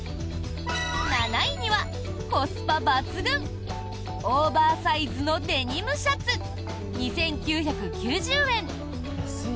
７位にはコスパ抜群オーバーサイズのデニムシャツ２９９０円。